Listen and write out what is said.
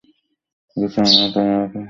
গ্রাছিলিয়া তুমি কি এভাবেই উচ্চারণ কর, ঠিক?